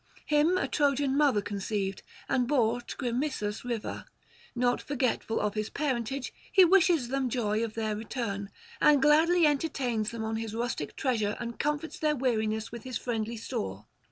Him a Trojan mother conceived and bore to Crimisus river; not forgetful of his parentage, he wishes them joy of their return, and gladly entertains them on his rustic treasure and comforts their weariness with his friendly store.